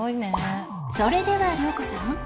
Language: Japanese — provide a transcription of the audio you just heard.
［それでは涼子さん］